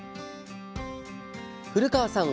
古川さん